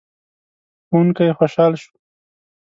ښوونکی خوشحال شو.